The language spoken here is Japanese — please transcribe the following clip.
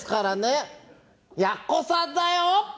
やっこさんだよ。